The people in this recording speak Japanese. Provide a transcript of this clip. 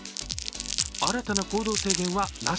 新たな行動制限はなし。